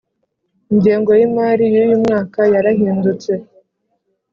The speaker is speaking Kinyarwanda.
Ingengo yimari yuyu mwaka yarahindutse